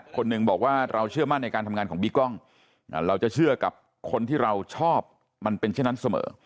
คนหนึ่งบอกว่าเราเชื่อมั่นในการทำงานของบิ๊กกล้องเราจะเชื่อกับคนที่เราชอบมันเป็นเช่นนั้นเสมอ